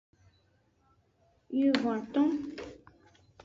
Wivon-aton.